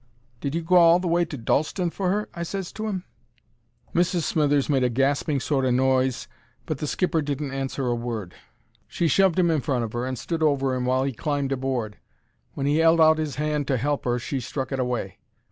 "Did you go all the way to Dalston for her?" I ses to 'im. Mrs. Smithers made a gasping sort o' noise, but the skipper didn't answer a word. She shoved him in in front of 'er and stood ever 'im while he climbed aboard. When he held out 'is hand to help 'er she struck it away.